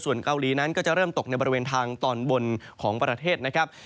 ส่วนเกาหลีนั้นก็จะเริ่มตกในบริเวณทางตอนบนของประเทศนะครับ